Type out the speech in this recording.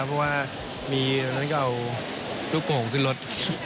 เพราะว่ามีวันนั้นก็เอาลูกโป่งขึ้นรถ